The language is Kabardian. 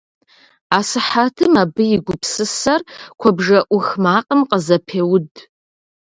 Асыхьэтым абы и гупсысэр куэбжэ Iух макъым къызэпеуд.